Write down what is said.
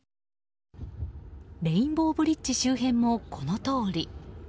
レインボーブリッジ周辺もこのとおり。